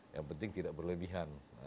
yang penting tidak berlebihan